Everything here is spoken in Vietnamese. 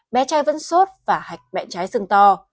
bé trai vẫn sốt và hạch mẹ trái xương to